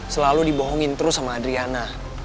selalu dibohongin terus sama adriana